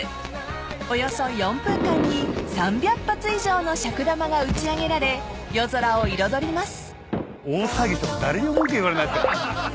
［およそ４分間に３００発以上の尺玉が打ち上げられ夜空を彩ります］